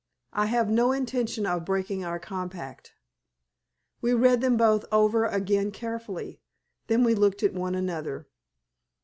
I have no intention of breaking our compact." We read them both over again carefully. Then we looked at one another.